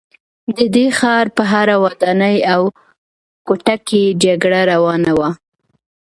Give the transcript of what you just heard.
د دې ښار په هره ودانۍ او کوټه کې جګړه روانه وه